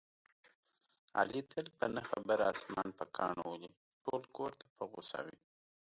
علي تل په نه خبره اسمان په کاڼو ولي، ټول کورته په غوسه وي.